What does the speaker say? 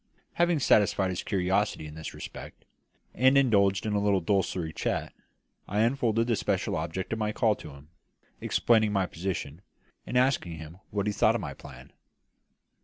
Having satisfied his curiosity in this respect, and indulged in a little desultory chat, I unfolded the special object of my call to him, explaining my position, and asking him what he thought of my plan.